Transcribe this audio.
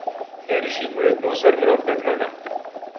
ھێرشی گورگ بۆسەر مرۆڤ دەگمەنە